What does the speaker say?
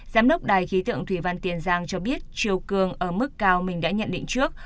giám đốc đài khí tượng thủy văn tiền giang cho biết chiều cường ở mức cao mình đã nhận định trước